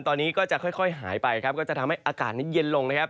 ตอนนี้ก็จะค่อยหายไปครับก็จะทำให้อากาศนี้เย็นลงนะครับ